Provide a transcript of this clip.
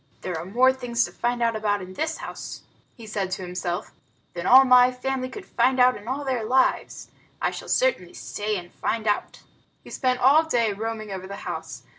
"There are more things to find out about in this house," he said to himself, "than all my family could find out in all their lives. I shall certainly stay and find out." He spent all that day roaming over the house.